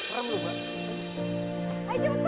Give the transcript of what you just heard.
barang belum pak